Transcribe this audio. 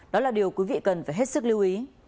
đó là điều quý vị cần phải hết sức lưu ý